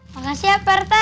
makasih ya parete